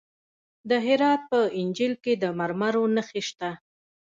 د هرات په انجیل کې د مرمرو نښې شته.